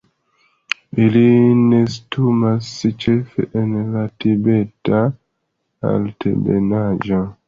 Ili nestumas ĉefe en la Tibeta Altebenaĵo.